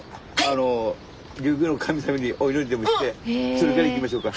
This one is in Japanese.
じゃあそれから行きましょうか。